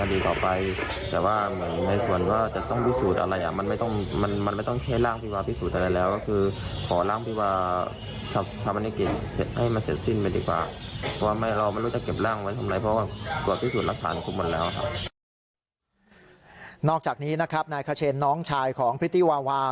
นอกจากนี้นะครับนายคเชนน้องชายของพริตตี้วาวา